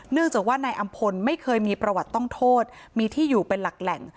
เนื่องจากว่านายอำพลไม่เคยมีประวัติต้องโทษมีที่อยู่เป็นหลักแหล่ง